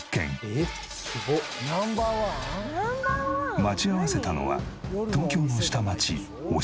Ｎｏ．１？待ち合わせたのは東京の下町押上。